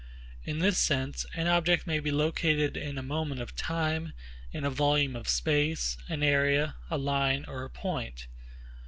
In this sense, an object may be located in a moment of time, in a volume of space, an area, a line, or a point.